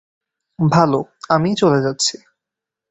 ভালো, আমিই চলে যাচ্ছি।